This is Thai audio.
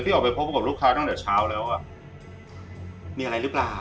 ออกไปพบกับลูกค้าตั้งแต่เช้าแล้วอ่ะมีอะไรหรือเปล่า